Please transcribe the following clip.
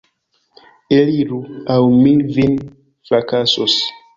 Eliru, aŭ mi vin frakasos!